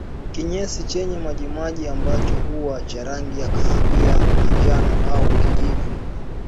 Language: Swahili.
Kinyesi chenye majimaji ambacho huwa cha rangi ya kahawia manjano au kijivu